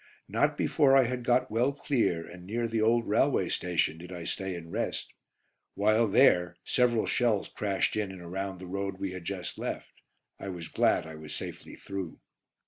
Not before I had got well clear, and near the old railway station, did I stay and rest. While there several shells crashed in and around the road we had just left. I was glad I was safely through.